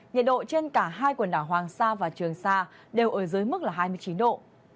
nhiệt độ trên cả hai quần đảo hoàng sa và trường sa đều ở dưới mức là hai mươi chín độ